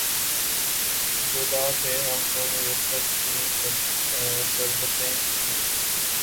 جدا تھے ہم تو میسر تھیں قربتیں کتنی